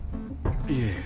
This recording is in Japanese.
いえ。